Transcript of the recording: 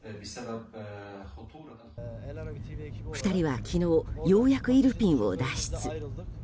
２人は昨日ようやくイルピンを脱出。